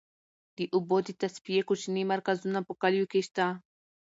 د اوبو د تصفیې کوچني مرکزونه په کليو کې شته.